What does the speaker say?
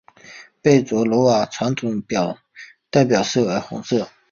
贝卓罗瓦的传统代表色为红色。